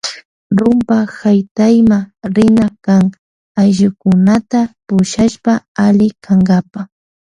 Rumpa haytayma rina kan ayllukunata pushashpa alli kankapa.